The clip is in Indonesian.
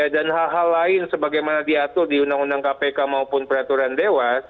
dan hal hal lain sebagaimana diatur di undang undang kpk maupun peraturan dewas